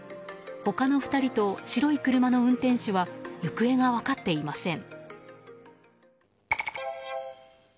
他の２人と白い車の運転手は行方が分かっていません。